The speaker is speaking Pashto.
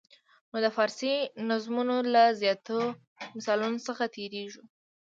نو د فارسي نظمونو له زیاتو مثالونو څخه تېریږو.